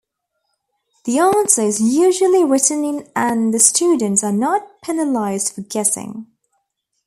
The answer is usually written in and the students are not penalized for guessing.